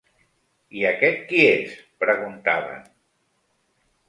I aquest qui és, preguntaven?